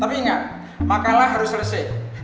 tapi ingat makalah harus selesai